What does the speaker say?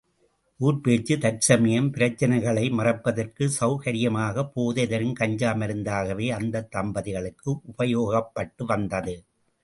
ஊர்ப் பேச்சு, தற்சமயம் பிரச்சனைகளை மறப்பதற்குச் செளகரியமாக, போதை தரும் கஞ்சா மருந்தாகவே அந்தத் தம்பதிகளுக்கு உபயோகப்பட்டு வந்தது.